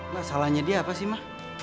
lah salahnya dia apa sih ma